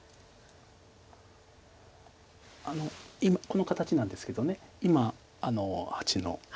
この形なんですけど今８の。